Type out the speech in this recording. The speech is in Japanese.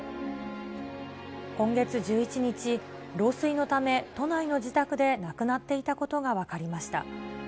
今月１１日、老衰のため、都内の自宅で亡くなっていたことが分かりました。